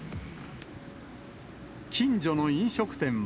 近所の飲食店は。